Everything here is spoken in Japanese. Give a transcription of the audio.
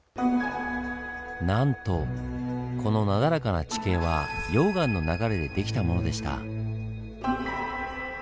なんとこのなだらかな地形は溶岩の流れで出来たものでした。